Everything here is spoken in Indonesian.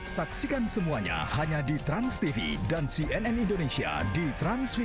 saksikan semuanya hanya di transtv dan cnn indonesia di transtv